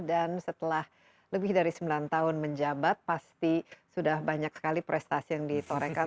dan setelah lebih dari sembilan tahun menjabat pasti sudah banyak sekali prestasi yang ditorengkan